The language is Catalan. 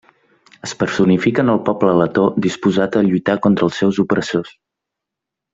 Es personifica en el poble letó disposat a lluitar contra els seus opressors.